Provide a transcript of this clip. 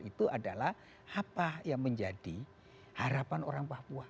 itu adalah apa yang menjadi harapan orang papua